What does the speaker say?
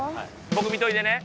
僕見といてね。